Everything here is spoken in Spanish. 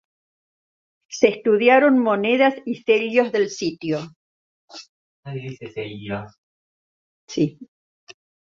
Se estudiaron monedas y sellos del sitio.